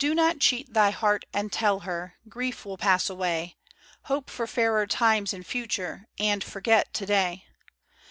T"\0 not cheat thy Heart and tell her, ^" Grief will pass away, Hope for fairer times in future, And forget to day."